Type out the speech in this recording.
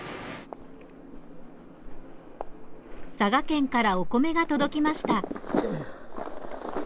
佐賀県からお米が届きました。